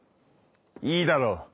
いいだろう。